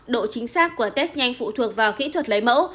độ chính xác của test nhanh phụ thuộc vào kỹ thuật lấy mẫu